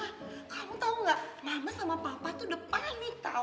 ah kamu tau gak mama sama papa tuh depannya nih tau